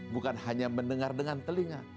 bukan hanya mendengar dengan telinga